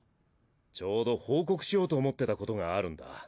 ちょうど報告しようと思ってたことがあるんだ。